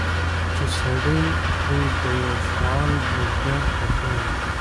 چې سړى پرې د يوه فعال بريدګر په توګه